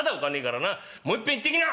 もういっぺん行ってきな！」。